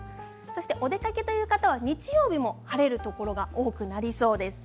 お出かけという方は日曜日も晴れるところが多くなりそうです。